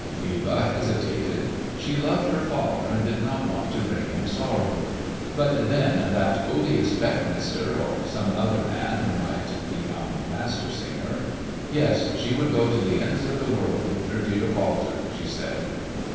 Eva hesitated. She loved her father and did not want to bring him sorrow. But then that odious Beckmesser, or some other man who might become Master Singer!—Yes, she would go to the ends of the world with her dear Walter, she said.